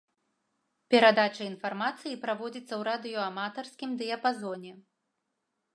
Перадача інфармацыі праводзіцца ў радыёаматарскім дыяпазоне.